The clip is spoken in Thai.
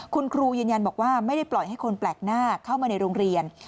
คุณครูยืนยันบอกว่าไม่ได้ปล่อยให้คนแปลกหน้าเข้ามาในโรงเรียน